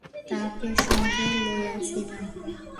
তাহাকে সঙ্গে লইয়াছিলাম।